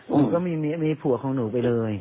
หนูก็มีผัวของหนูไปเลย